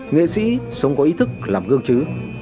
nghệ sĩ sống có ý thức làm gương chứ